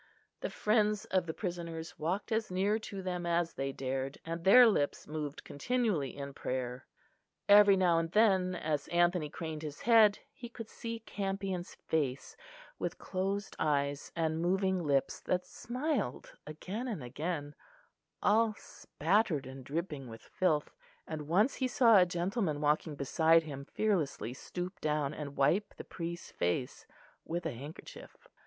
The friends of the prisoners walked as near to them as they dared, and their lips moved continually in prayer. Every now and then as Anthony craned his head, he could see Campion's face, with closed eyes and moving lips that smiled again and again, all spattered and dripping with filth; and once he saw a gentleman walking beside him fearlessly stoop down and wipe the priest's face with a handkerchief.